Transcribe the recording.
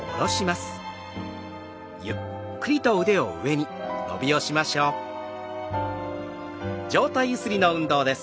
上体ゆすりの運動です。